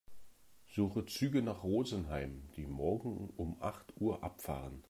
Suche Züge nach Rosenheim, die morgen um acht Uhr abfahren.